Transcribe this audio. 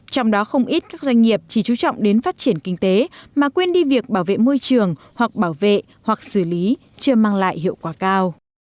trong đó không ít các doanh nghiệp chỉ chú trọng đến phát triển kinh tế mà quên đi việc bảo vệ môi trường hoặc bảo vệ hoặc xử lý chưa mang lại hiệu quả cao